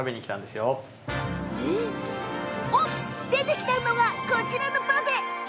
出てきたのが、こちらのパフェ。